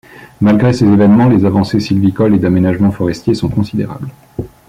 Malgré ces évènements, les avancées sylvicoles et d’aménagements forestiers sont considérables.